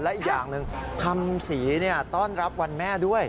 และอีกอย่างหนึ่งทำสีต้อนรับวันแม่ด้วย